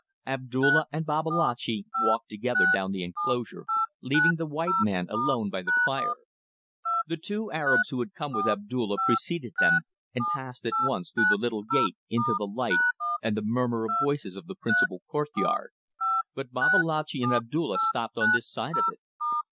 Abdulla and Babalatchi walked together down the enclosure, leaving the white man alone by the fire. The two Arabs who had come with Abdulla preceded them and passed at once through the little gate into the light and the murmur of voices of the principal courtyard, but Babalatchi and Abdulla stopped on this side of it.